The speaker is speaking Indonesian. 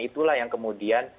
itulah yang kemudian